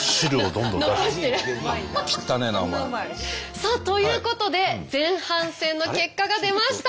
さあということで前半戦の結果が出ました。